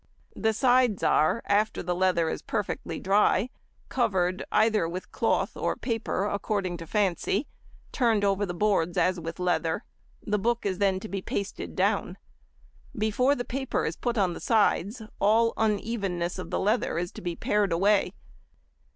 The sides are, after the leather is perfectly dry, covered either with cloth or paper according to fancy, turned over the boards as with leather. The book is then to be pasted down. Before the paper is put on the sides, |97| all unevenness of the leather is to be pared away.